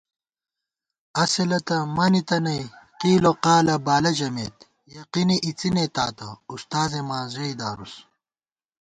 اصِلہ تہ منِتہ نئ قیل و قالہ بالہ ژمېت یقینی اِڅِنے تاتہ اُستاذےماں ژئیدارُس